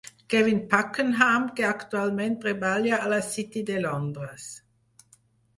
Kevin Pakenham, que actualment treballa a la City de Londres.